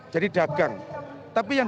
jadi dagang tapi yang